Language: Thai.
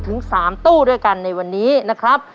ถึง๓ตู้ด้วยกันในวันนี้นะครับ